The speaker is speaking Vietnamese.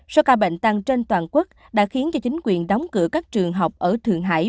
số ca bệnh tăng trên toàn quốc đã khiến cho chính quyền đóng cửa các trường học ở thượng hải